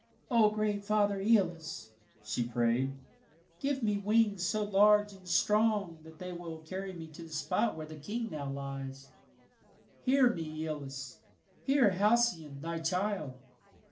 "O great father Aeolus," she prayed, "give me wings so large and strong that they will carry me to the spot where the king now lies. "Hear me, Aeolus! Hear Halcyone, thy child!"